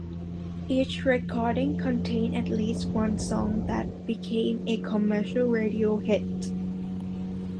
Each recording contained at least one song that became a commercial radio hit.